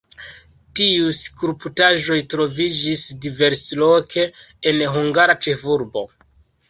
Tiuj skulptaĵoj troviĝis diversloke en la hungara ĉefurbo.